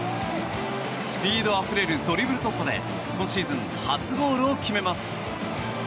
スピードあふれるドリブル突破で今シーズン初ゴールを決めます。